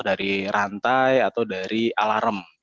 dari rantai atau dari alarm